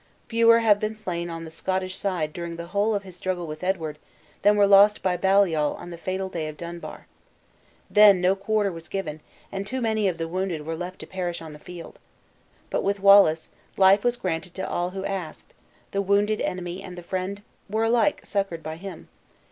Fewer have been slain on the Scottish side during the whole of his struggle with Edward, than were lost by Baliol on the fatal day of Dunbar. Then, no quarter was given; and too many of the wounded were left to perish on the field. But with Wallace, life was granted to all who asked; the wounded enemy and the friend were alike succored by him.